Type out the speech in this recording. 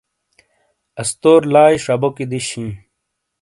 استور لایئ شبوکی دیش ہی۔